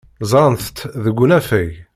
Ẓrant-tt deg unafag.